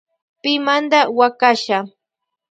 Pimanda huakasha.